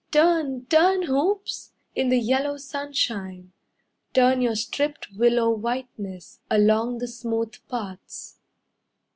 Turn, turn, Hoops! In the yellow sunshine. Turn your stripped willow whiteness Along the smooth paths.